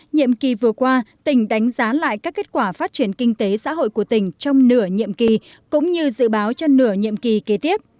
nhiệm kỳ vừa qua tỉnh đánh giá lại các kết quả phát triển kinh tế xã hội của tỉnh trong nửa nhiệm kỳ cũng như dự báo cho nửa nhiệm kỳ kế tiếp